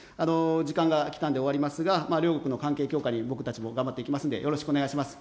時間が来たんで終わりますが、両国の関係強化に僕たちも頑張っていきますんで、よろしくお願いします。